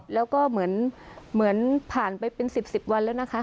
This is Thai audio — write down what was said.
แล้วก็เหมือนผ่านไปเป็น๑๐๑๐วันแล้วนะคะ